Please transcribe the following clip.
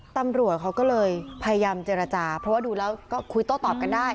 ตำรวจเขาก็เลยพยายามเจรจาเพราะว่าดูแล้วก็คุยโต้ตอบกันได้